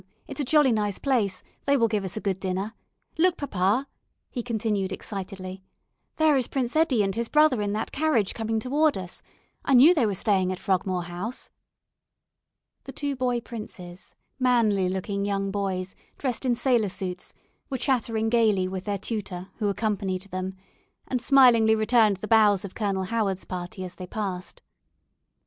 "It's a jolly nice place; they will give us a good dinner. Look, papa," he continued, excitedly, "there is Prince Eddie and his brother in that carriage coming toward us. I knew they were staying at 'Frogmore House.'" The two boy princes, manly looking young boys, dressed in sailor suits, were chattering gaily with their tutor, who accompanied them, and smilingly returned the bows of Colonel Howard's party as they passed.